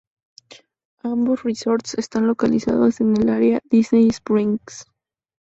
Ambos resorts están localizados en el área Disney Springs.